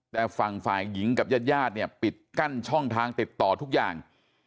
แต่ฝั่งฝ่ายหญิงกับญาติญาติเนี่ยปิดกั้นช่องทางติดต่อทุกอย่าง